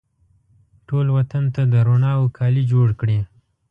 ټول وطن ته د روڼاوو کالي جوړکړي